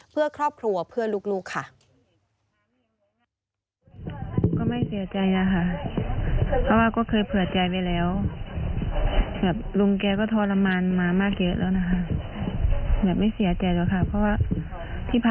เพื่อครอบครัวเพื่อลูกค่ะ